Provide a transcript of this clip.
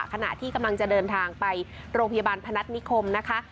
ขณะที่กำลังจะเดินทางไปโรงพยาบาลพนัฐนิคมนะคะ